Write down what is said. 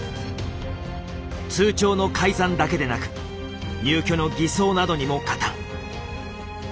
通帳の改ざんだけでなく入居の偽装などにも加担。